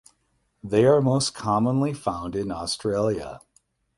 They are most commonly found in Australia.